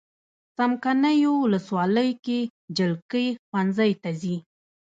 څمکنیو ولسوالۍ کې جلکې ښوونځی ته ځي.